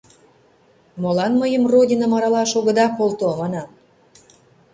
«Молан мыйым Родиным аралаш огыда колто?», — манам.